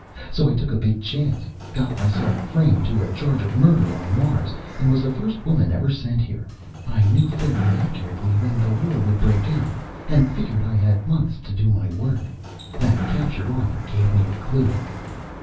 So I took a big chance got myself framed to a charge of Murder on Mars, and was the first woman ever sent here. I knew fairly accurately when war would break out, and figured I had months to do my work in. That captured armor gave me the clue."